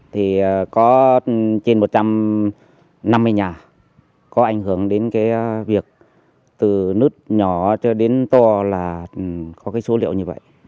thì có trên một trăm năm mươi nhà có ảnh hưởng đến cái việc từ nứt nhỏ cho đến to là có cái số liệu như vậy